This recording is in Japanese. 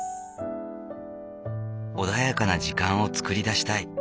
穏やかな時間を作り出したい。